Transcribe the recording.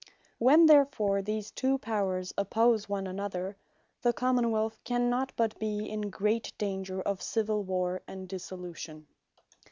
When therefore these two Powers oppose one another, the Common wealth cannot but be in great danger of Civill warre, and Dissolution.